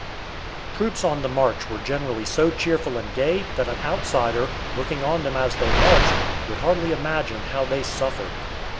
Troops on the march were generally so cheerful and gay that an outsider, looking on them as they marched, would hardly imagine how they suffered.